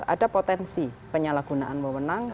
ada potensi penyalahgunaan mewenang